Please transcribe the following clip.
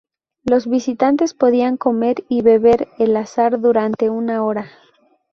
Los visitantes podían comer y beber al azar durante una hora.